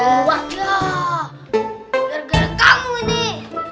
aku mau keluar ya gara gara kamu nih